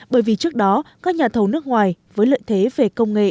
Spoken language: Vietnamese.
bởi vì trước đó các nhà thầu nước ngoài với lợi thế về công nghệ